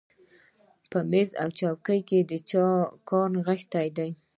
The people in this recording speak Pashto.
په مېز او څوکۍ کې د چا کار نغښتی دی